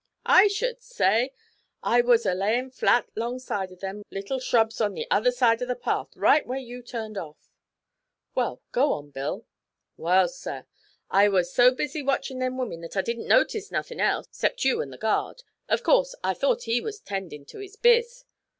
'I should say! I was a layin' flat 'longside of them little shrubs on the other side the path, right where you turned off.' 'Well, go on, Bill.' 'Wal, sir, I was so busy watchin' them women that I didn't notice nothin' else 'cept you an' the guard of course I thought he was tendin' to his biz.